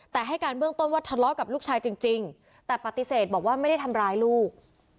แต่ให้การเบื้องต้นว่าทะเลาะกับลูกชายจริงแต่ปฏิเสธบอกว่าไม่ได้ทำร้ายลูก